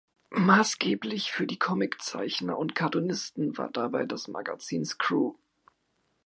Maßgeblich für die Comiczeichner und Cartoonisten war dabei das Magazin Screw.